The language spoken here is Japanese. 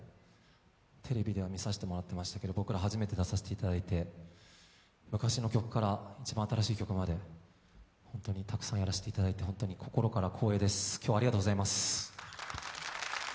テレビでは見させてもらってましたけど僕ら初めて出させていただいて昔の曲から一番新しい曲までたくさんやらせていただいて心から光栄で今日はありがとうございます。